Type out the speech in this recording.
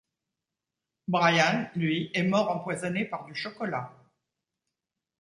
Brian lui est mort empoisonné par du chocolat.